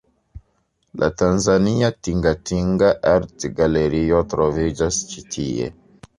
La tanzania Tingatinga Artgalerio troviĝas ĉi tie.